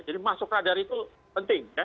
jadi masuk radar itu penting